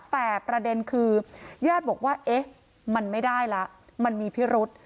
แต่ประเด็นคือญาติบอกว่าเอ๊ะมันไม่ได้ละมันมีพิรุษ